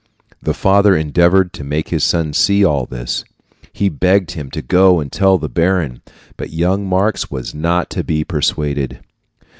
The father endeavored to make his son see all this. He begged him to go and tell the baron, but young Marx was not to be persuaded.